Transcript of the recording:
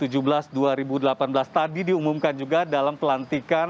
tadi diumumkan juga dalam pelantikan